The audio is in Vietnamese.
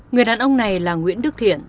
người đàn ông này là nguyễn đức thiện